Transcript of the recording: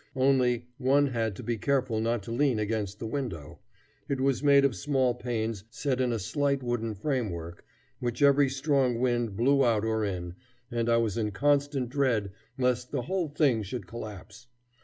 Only, one had to be careful not to lean against the window. It was made of small panes set in a slight wooden framework, which every strong wind blew out or in, and I was in constant dread lest the whole thing should collapse.